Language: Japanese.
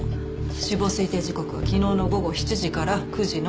死亡推定時刻は昨日の午後７時から９時の間。